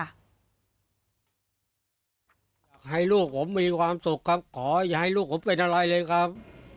อยากให้ลูกผมมีความสุขครับขออย่าให้ลูกผมเป็นอะไรเลยครับ